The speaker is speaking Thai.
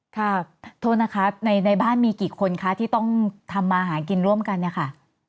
โทษนะคะในบ้านมีกี่คนคะที่ต้องทำมาหากินร่วมกันเนี่ยค่ะ